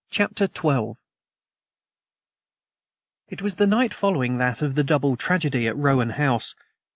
CHAPTER XII IT was the night following that of the double tragedy at Rowan House.